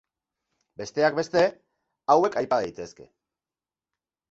Besteak beste, hauek aipa daitezke.